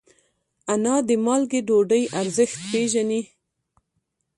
انا د مالګې ډوډۍ ارزښت پېژني